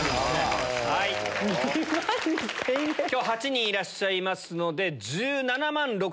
今日８人いらっしゃいますので。